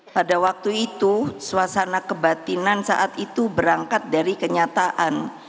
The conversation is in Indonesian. pada waktu itu suasana kebatinan saat itu berangkat dari kenyataan